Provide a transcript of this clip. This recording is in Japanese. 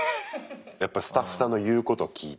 やっぱスタッフさんの言うこと聞いて。